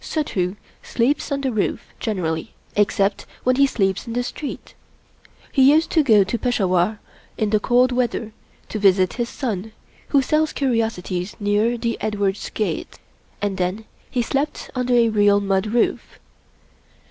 Suddhoo sleeps on the roof generally, except when he sleeps in the street. He used to go to Peshawar in the cold weather to visit his son, who sells curiosities near the Edwardes' Gate, and then he slept under a real mud roof.